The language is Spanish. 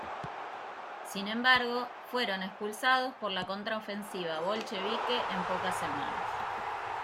Sin embargo, fueron expulsados por la contraofensiva bolchevique en pocas semanas.